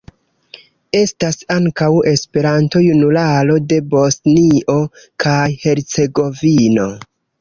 Estas ankaŭ Esperanto-Junularo de Bosnio kaj Hercegovino.